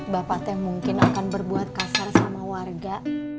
bapak teh mungkin akan berbuat kasar sama warga